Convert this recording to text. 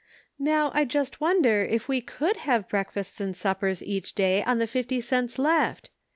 Now I just wonder if we could have breakfasts and suppers each day on the fifty cents left?